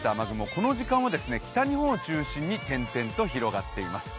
この時間は北日本を中心に点々と広がっています。